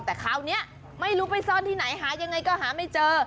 แต่คราวนี้ไม่รู้ไปซ่อนที่ไหนหายังไงก็หาไม่เจอ